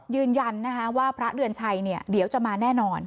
ยืนยันนะคะว่าพระเดือนชัยเดี๋ยวจะมาแน่นอน